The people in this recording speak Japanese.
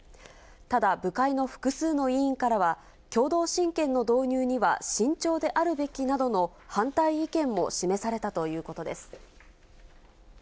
ただ、部会の複数の委員からは、共同親権の導入には慎重であるべきなどの反対意見も示されたということです。